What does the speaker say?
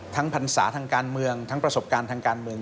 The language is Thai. พรรษาทางการเมืองทั้งประสบการณ์ทางการเมือง